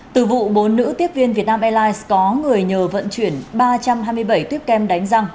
từ vụ bốn nữ tiếp viên việt nam airlines có người nhờ vận chuyển ba trăm hai mươi bảy tuyếp kem đánh răng